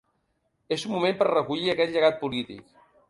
És un moment per recollir aquest llegat polític.